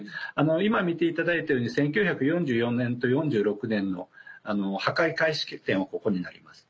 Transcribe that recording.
今見ていただいたように１９４４年と４６年の破壊開始点はここになります。